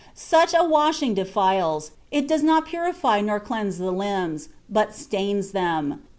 Such a washing defiles; it does not purify nor cleanse the limbs, but stains them.